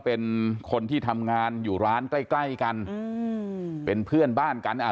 เป็นคนที่ทำงานอยู่ร้านใกล้ใกล้กันอืมเป็นเพื่อนบ้านกันอ่า